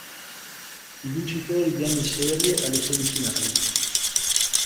I vincitori di ogni serie alle semifinali.